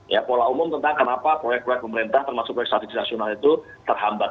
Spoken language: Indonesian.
ya pola umum tentang kenapa proyek proyek pemerintah termasuk proyek strategis nasional itu terhambat